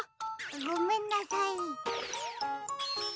ごめんなさい。